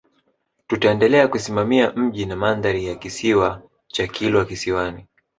Tutaendelea kusimamia mji na mandhari ya Kisiwa cha Kilwa Kisiwani